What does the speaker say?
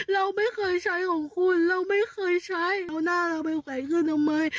เราไม่เคยใช้ของคุณเราไม่เคยใช้เอาหน้าเราไปใส่ขึ้นทำไม